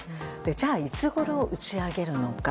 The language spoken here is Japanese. じゃあ、いつごろ打ち上げるのか。